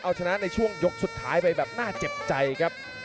เอาชนะในช่วงยกสุดท้ายไปแบบน่าเจ็บใจครับ